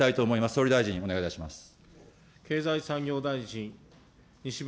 総理大臣お願いいたします。